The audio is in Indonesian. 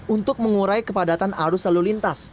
untuk mengurai kepadatan arus lalu lintas